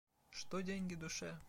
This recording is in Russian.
Что деньги душе?